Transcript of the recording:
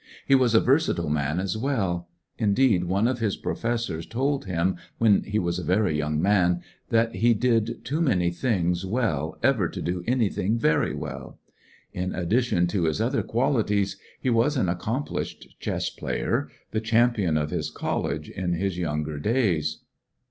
He was a versatile man as welL Indeed, one of his professors told him^ when lie was a young man^ that he did too many thlDgs well ever to do anything very well* In addition to his other qualities^ he was an accomplished chess player, the champion of his college in his younger days.